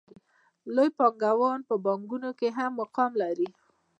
لوی پانګوال په بانکونو کې هم مقام لري